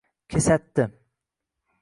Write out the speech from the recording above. kesatdi